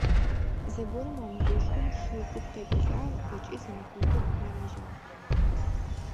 Зэгорэм а мыжъошхом шыу куп къекӏолӏагъ ыкӏи зэнэкъокъур рагъэжьагъ.